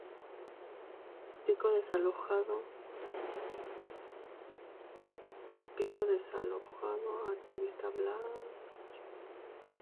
Pico desalojó al artiguista Blas Basualdo de Gualeguaychú y Samaniego recuperó la comandancia.